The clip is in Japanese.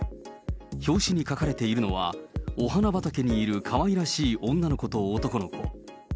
表紙に描かれているのはお花畑にいるかわいらしい女の子と男の子。